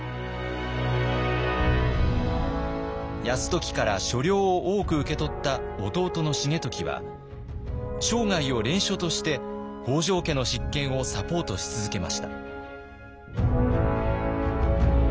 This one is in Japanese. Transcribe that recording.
泰時から所領を多く受け取った弟の重時は生涯を「連署」として北条家の執権をサポートし続けました。